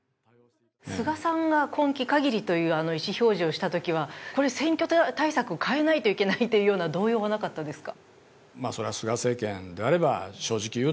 菅さんが今期限りという意思表示をしたときは、選挙対策を変えないといけないというような動揺はなかったですか？